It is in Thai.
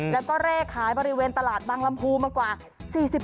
แล้วก็เลขขายบริเวณตลาดบางลำพูมากว่า